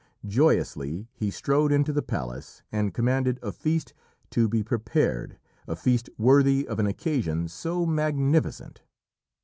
Joyously he strode into the palace and commanded a feast to be prepared a feast worthy of an occasion so magnificent.